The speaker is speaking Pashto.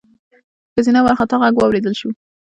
ښځينه وارخطا غږ واورېدل شو: